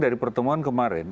dari pertemuan kemarin